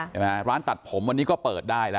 ใช่ค่ะร้านตัดผมวันนี้ก็เปิดได้แล้ว